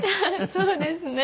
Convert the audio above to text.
そうですね。